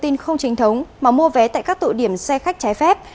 tin không chính thống mà mua vé tại các tụ điểm xe khách trái phép